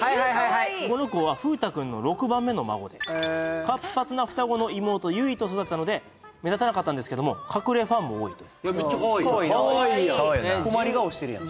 この子は風太君の６番目の孫で活発な双子の妹ゆいと育ったので目立たなかったんですけども隠れファンも多いというめっちゃかわいいかわいいよな・